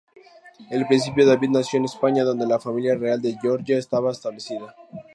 El príncipe David nació en España, donde la Familia Real de Georgia estaba establecida.